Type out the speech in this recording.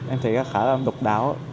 em thấy khá là độc đáo